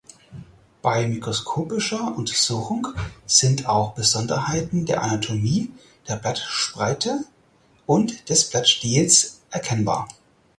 Bei mikroskopischer Untersuchung sind auch Besonderheiten der Anatomie der Blattspreite und des Blattstiels erkennbar.